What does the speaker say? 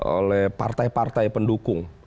oleh partai partai pendukung